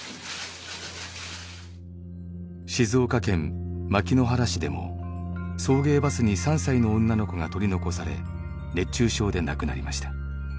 静岡県牧之原市でも送迎バスに３歳の女の子が取り残され熱中症で亡くなりました。